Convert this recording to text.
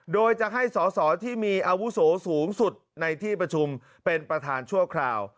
โดยจะให้สอสอที่มีอาวุโสสูงสุดในที่ประชุมเป็นประธานชั่วคราว